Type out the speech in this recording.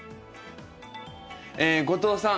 後藤さん